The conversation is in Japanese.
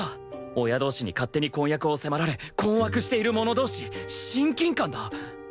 親同士に勝手に婚約を迫られ困惑している者同士親近感だ！